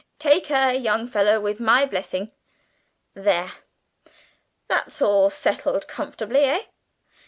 Take her, young fellow, with my blessing! There, now, that's all settled comfortably eh?"